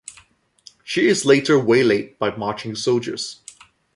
She is later waylaid by marching soldiers.